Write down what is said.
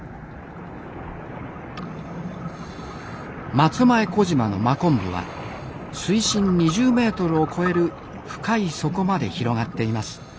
松前小島の真昆布は水深２０メートルを超える深い底まで広がっています。